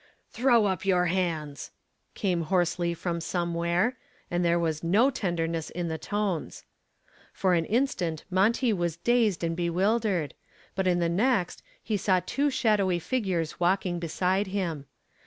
"Throw up your hands!" came hoarsely from somewhere, and there was no tenderness in the tones. For an instant Monty was dazed and bewildered, but in the next he saw two shadowy figures walking beside him.